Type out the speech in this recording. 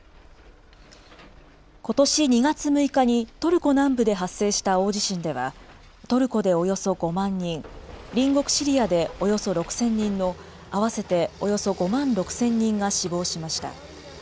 ことし２月６日にトルコ南部で発生した大地震では、トルコでおよそ５万人、隣国シリアでおよそ６０００人の合わせておよそ５万６０００人が死亡しました。